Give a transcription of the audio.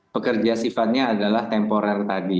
pekerja sifatnya adalah temporer tadi